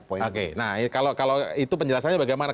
oke nah kalau itu penjelasannya bagaimana